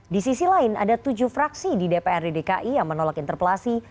di sisi lain ada tujuh fraksi di dprd dki yang menolak interpelasi